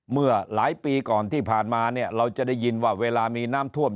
เมื่อหลายปีก่อนที่ผ่านมาเนี่ยเราจะได้ยินว่าเวลามีน้ำท่วม